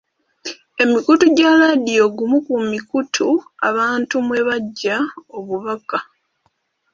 Emikutu gya laadiyo gumu ku mikutu abantu mwe baggya obubaka.